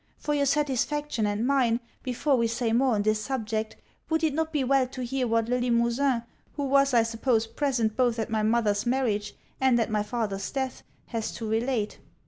For your satisfaction and mine, before we say more on this subject, would it not be well to hear what Le Limosin, who was I suppose present both at my mother's marriage and at my father's death, has to relate?'